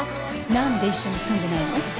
何で一緒に住んでないの？